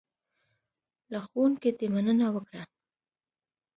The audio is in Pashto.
له ښوونکي دې مننه وکړه .